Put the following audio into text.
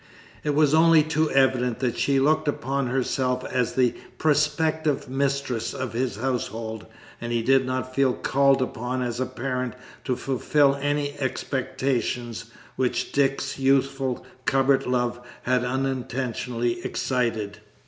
It was only too evident that she looked upon herself as the prospective mistress of his household, and he did not feel called upon as a parent to fulfil any expectations which Dick's youthful cupboard love had unintentionally excited.